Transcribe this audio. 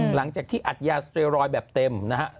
หลังจากที่อัดยาสเตรรอยแบบเต็มนะฮะ